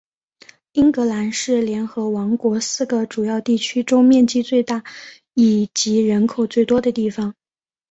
英格兰是联合王国四个主要地区中面积最大以及人口最多的地方。